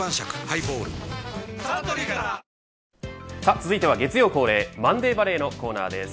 続いては月曜恒例マンデーバレーのコーナーです。